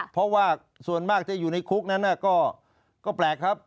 เพราะว่าส่วนมากจะอยู่ในคุกนั้นก็แปลกครับ